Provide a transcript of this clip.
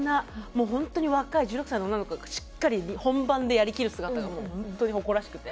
もうホントに若い１６歳の女の子がしっかり本番でやりきる姿がもう本当に誇らしくて。